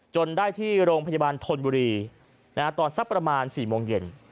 ได้ที่โรงพยาบาลธนบุรีตอนสักประมาณ๔โมงเย็น